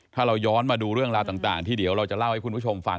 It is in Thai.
ถ้าเราย้อนมาดูเรื่องราวต่างที่เดี๋ยวเราจะเล่าให้คุณผู้ชมฟัง